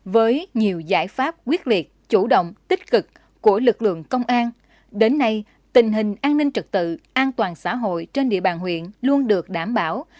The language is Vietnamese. với nhiều giải pháp quyết liệt chủ động tích cực của lực lượng công an đến nay tình hình an ninh trật tự an toàn xã hội trên địa bàn huyện luôn được đảm bảo